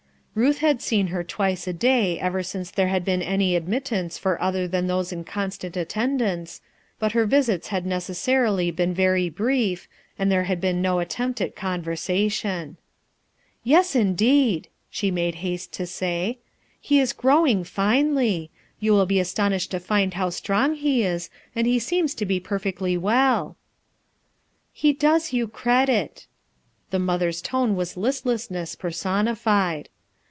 Ruth had seen her twice a day ever since there had been any admittance for other than those in constant attendance, but her visits had nec essarily been very brief, and there had been no attempt at conversation. 3 40 HUTU ERSKINE'S .SON "Yet, imJeetll" slic made haste lo say. <,,. is growing finely; you will bo astonished to 0m how strong he IS, and he seems to be perfectly well." "He does you credit." The mother's t onc was listlessDcss personified.